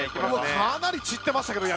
かなり散ってましたけど闇。